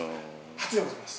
・初でございます。